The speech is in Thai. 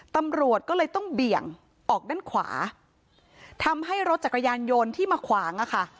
ตำรวจก็เลยต้องเบี่ยงออกด้านขวาทำให้รถจักรยานยนต์ที่มาขวางอะค่ะ